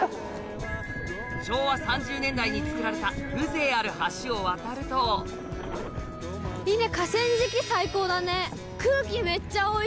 昭和３０年代に造られた風情ある橋を渡るといいね。